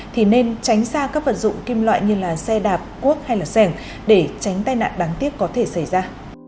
thì nên tránh xa các vật dụng kim loại như là xe đạp cuốc hay là xẻng để tránh tai nạn đáng tiếc có thể xảy ra